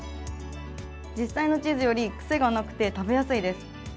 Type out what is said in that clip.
実際のチーズより癖がなくて、食べやすいです。